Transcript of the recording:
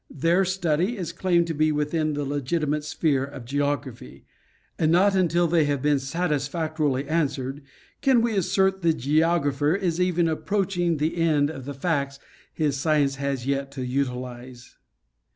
Their study is claimed to be within the legitimate sphere of geography ; and not until they have been satisfactorily answered can we assert the geographer is even approaching the end of the facts his science has yet to utilize.